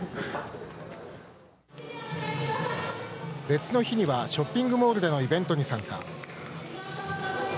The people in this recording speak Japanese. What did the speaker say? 別の日にはショッピングモールでのイベントに参加。